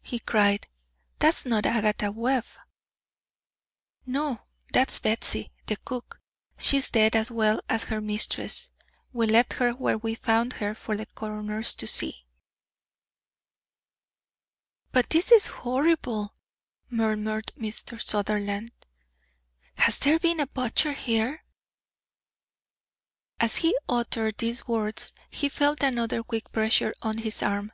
he cried. "That's not Agatha Webb." "No, that's Batsy, the cook. She's dead as well as her mistress. We left her where we found her for the coroner to see." "But this is horrible," murmured Mr. Sutherland. "Has there been a butcher here?" As he uttered these words, he felt another quick pressure on his arm.